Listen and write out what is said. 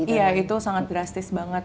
iya itu sangat drastis banget